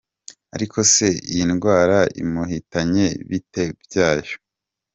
Ariko se iyi ndwara imuhitanye bite byayo?